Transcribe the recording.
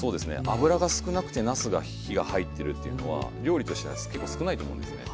油が少なくてなすが火が入ってるっていうのは料理としては結構少ないと思うんですね。